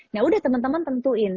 nah udah teman teman tentuin